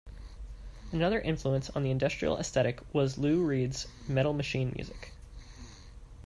Another influence on the industrial aesthetic was Lou Reed's "Metal Machine Music".